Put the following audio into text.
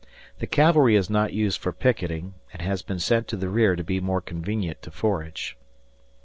The cavalry is not used for picketing and has been sent to the rear to be more convenient to forage.